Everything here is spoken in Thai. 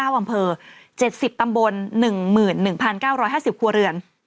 ๙อำเภอ๗๐ตำบล๑๑๙๕๐ครัวเรือน